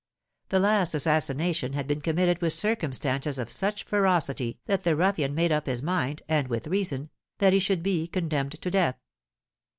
The last assassination had been committed with circumstances of such ferocity that the ruffian made up his mind, and with reason, that he should be condemned to death.